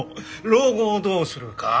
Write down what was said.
老後をどうするか。